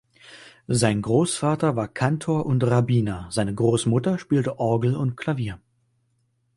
Sein Großvater war Kantor und Rabbiner, seine Großmutter spielte Orgel und Klavier.